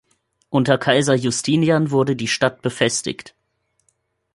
Unter Kaiser Justinian wurde die Stadt befestigt.